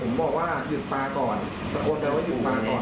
ผมบอกว่าหยุดปลาก่อนตะโกนไปว่าหยุดปลาก่อน